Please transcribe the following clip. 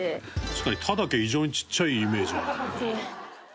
確かに「田」だけ異常にちっちゃいイメージ。